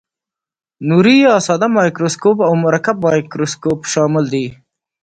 نوري یا ساده مایکروسکوپ او مرکب مایکروسکوپ شامل دي.